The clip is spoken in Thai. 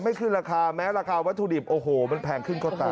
ขึ้นราคาแม้ราคาวัตถุดิบโอ้โหมันแพงขึ้นก็ตาม